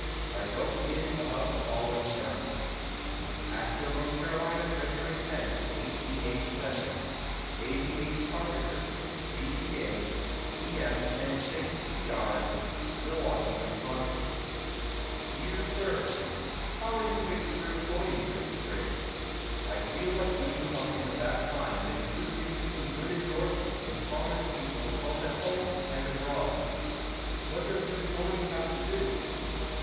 I wrote in about the following terms: ASHEVILLE, N. C., Feb. 10, 1887. A. V. H. Carpenter, G. P. A. C., M. & St. P. R'y, Milwaukee, Wis. Dear Sir: How are you fixed for employes this spring? I feel like doing something of that kind and could give you some good endorsements from prominent people both at home and abroad. What does an employe have to do?